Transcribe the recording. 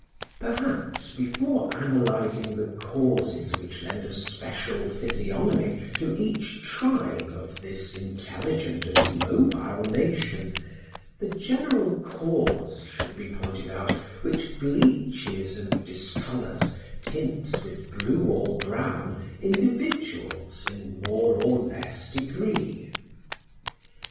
Perhaps, before analyzing the causes which lend a special physiognomy to each tribe of this intelligent and mobile nation, the general cause should be pointed out which bleaches and discolors, tints with blue or brown individuals in more or less degree.